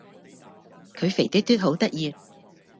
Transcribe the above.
佢肥嘟嘟好得意